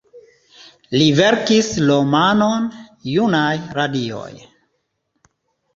Li verkis romanon, "Junaj radioj".